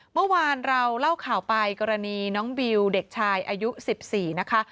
เมื่อวานเราเล่าข่าวไปกรณีน้องบิวเด็กชายอายุ๑๔นะคะ